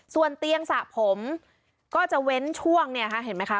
ส่วนเตียงสระผมก็จะเว้นช่วงเนี่ยค่ะเห็นไหมคะ